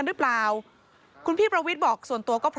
มันมีโอกาสเกิดอุบัติเหตุได้นะครับ